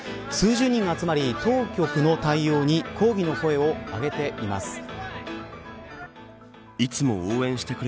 数十人が集まり、当局の対応に抗議の声を上げています。